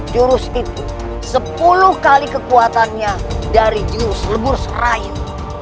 jurus itu sepuluh kali kekuatannya dari jurus lebur serayu